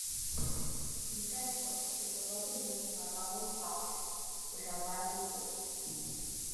Refrescos is the local name for bottled soft drinks, which are widely sold.